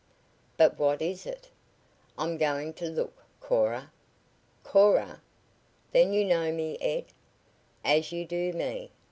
"But what is it?" "I'm going to look Cora." "Cora? Then you know me Ed?" "As you do me.